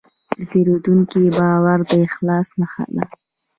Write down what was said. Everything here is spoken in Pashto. د پیرودونکي باور د اخلاص نښه ده.